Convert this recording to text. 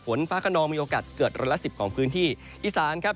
ฝนฟ้าขนองมีโอกาสเกิดร้อยละสิบของพื้นที่อีสานครับ